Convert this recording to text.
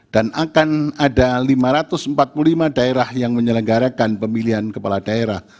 dan akan ada lima ratus empat puluh lima daerah yang menyelenggarakan pemilihan kepala daerah